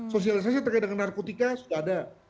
sosialisasi terkait dengan narkotika sudah ada